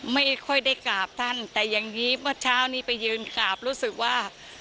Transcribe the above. ไม่ค่อยได้กราบท่านแต่อย่างนี้เมื่อเช้านี้ไปยืนกราบรู้สึกว่า